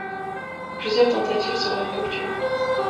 Plusieurs tentatives seront effectuées.